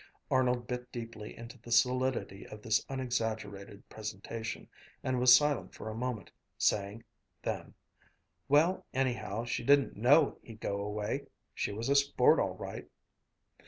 Arnold bit deeply into the solidity of this unexaggerated presentation, and was silent for a moment, saying then: "Well, anyhow, she didn't know he'd go away! She was a sport, all right!"